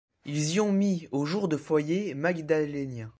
Ils y ont mis au jour de foyers magdaléniens.